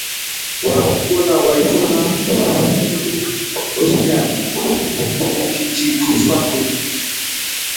Warmikuna wayk'una wasipi q'usñiwan mikichikusqaku.